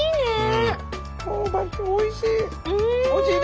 香ばしくておいしい。